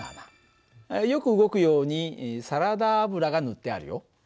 よく動くようにサラダ油が塗ってあるよ。